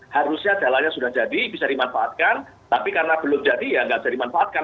harusnya jalannya sudah jadi bisa dimanfaatkan tapi karena belum jadi ya nggak bisa dimanfaatkan